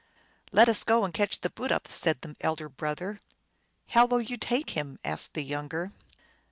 " Let us go and catch the Bootup !" said the elder brother. " How will you take him ?" asked the younger.